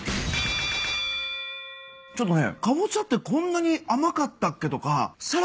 ちょっとね。